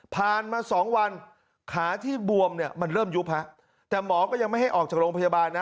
มาสองวันขาที่บวมเนี่ยมันเริ่มยุบฮะแต่หมอก็ยังไม่ให้ออกจากโรงพยาบาลนะ